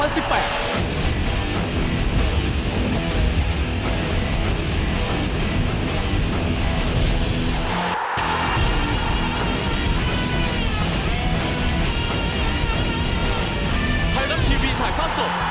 ไทยน้ำทีวีถ่ายผ้าศพ